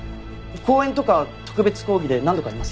講演とか特別講義で何度かありますよ。